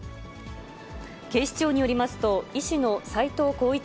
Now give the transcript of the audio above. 警視庁によりますと、医師の斎藤浩一